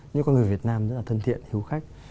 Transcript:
những con người việt nam rất là thân thiện hiếu khách